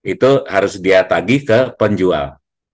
itu harus dia tagih ke penjual